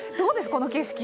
この景色。